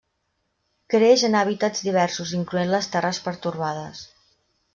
Creix en hàbitats diversos incloent les terres pertorbades.